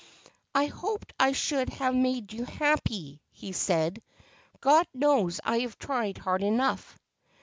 ' I hoped I should have made you happy,' he said. ' God knows I have tried hard enough.'